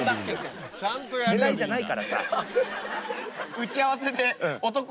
打ち合わせで。